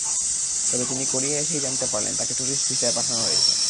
তবে তিনি কোরিয়া এসেই জানতে পারলেন, তাঁকে টুরিস্ট ভিসায় পাঠানো হয়েছে।